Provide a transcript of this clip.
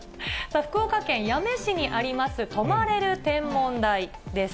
福岡県八女市にあります、泊まれる天文台です。